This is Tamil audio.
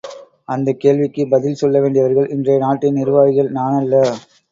அந்தக் கேள்விக்குப் பதில் சொல்ல வேண்டியவர்கள் இன்றைய நாட்டின் நிர்வாகிகள், நானல்ல.